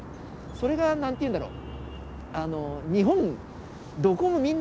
それが何て言うんだろう